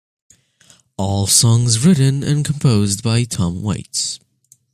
All songs written and composed by Tom Waits.